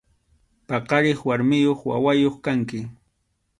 Paqariq warmiyuq wawayuq kanki.